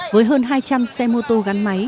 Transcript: với hơn hai trăm linh xe mô tô gắn máy